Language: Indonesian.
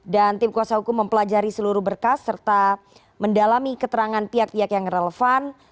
dan tim kuasa hukum mempelajari seluruh berkas serta mendalami keterangan pihak pihak yang relevan